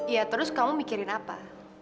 iya terus kamu mikirin apa